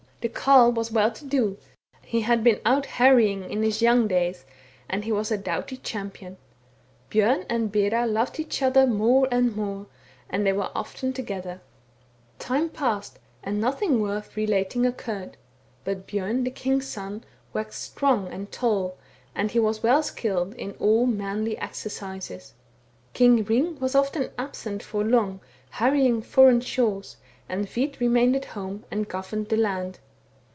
The Carle was well to do, he had been out harrying in his young days, and he was a doughty champion. Bjorn and Bera loved each other more and more, and they were often together. THE WERE WOLF I^ THE NORTH. 28 " Time passed, and nothiDg worth relating occurred; but Bjorn, the king's son, waxed strong and tall ; and he was well skilled in all manly exercises. "King Hring was often absent for long, harrying foreign shores, and Hvit remained at home and governed the land.